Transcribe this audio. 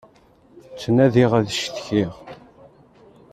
Ttnadiɣ ad cektiɣ.